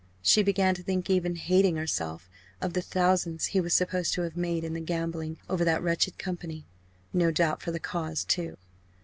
She began to think even hating herself of the thousands he was supposed to have made in the gambling over that wretched company no doubt for the "cause" too!